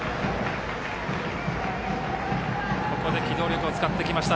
ここで機動力を使ってきました。